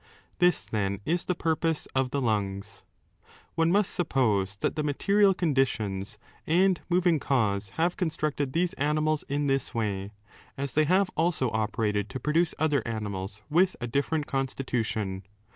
This, 4 then, is the purpose of the lunga One must suppose that the material conditions and moving cause have constructed these animals in this way, as they have also operated to 313 314 ARISTOTLE'S PSYCHOLOGY dbwhpib. produce other animals with a different constitution.